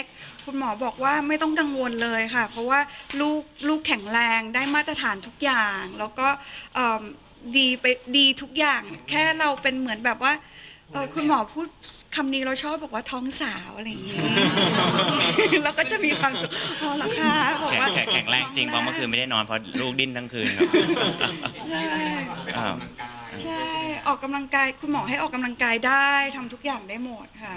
ห้องเล็กคุณหมอบอกว่าไม่ต้องกังวลเลยค่ะเพราะว่าลูกลูกแข็งแรงได้มาตรฐานทุกอย่างแล้วก็ดีไปดีทุกอย่างแค่เราเป็นเหมือนแบบว่าคุณหมอพูดคำนี้เราชอบบอกว่าท้องสาวอะไรอย่างงี้แล้วก็จะมีความสุขแข็งแรงจริงว่าเมื่อคืนไม่ได้นอนเพราะลูกดิ้นทั้งคืนออกกำลังกายคุณหมอให้ออกกำลังกายได้ทำทุกอย่างได้หม